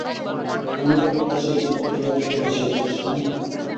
আমি তোকে ফাঁসিয়েছি নাকি তুই আমাকে ফাঁসিয়েছিস, হাহ?